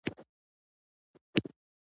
موږ سره تړلي د یووالي په زنځیر یو.